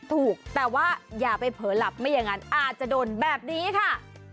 ถูกแต่ว่าอย่าไปเผลอหลับไม่อย่างนั้นอาจจะโดนแบบนี้ค่ะ